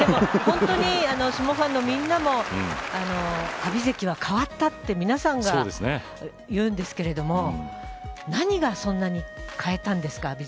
相撲ファンのみんなも阿炎関は変わったと、皆さんが言うんですが何がそんなに変えたんですか？